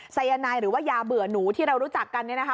สายนายหรือว่ายาเบื่อหนูที่เรารู้จักกันเนี่ยนะคะ